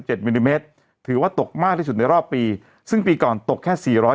มิลลิเมตรถือว่าตกมากที่สุดในรอบปีซึ่งปีก่อนตกแค่สี่ร้อย